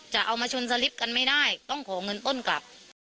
จะเอามาชนสลิปกันไม่ได้ต้องขอเงินต้นกลับ